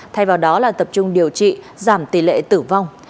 thay vào đó là tập trung điều trị giảm tỷ lệ tử vong